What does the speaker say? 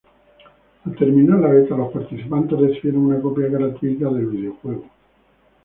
Al terminar la beta los participantes recibieron una copia gratuita de el videojuego.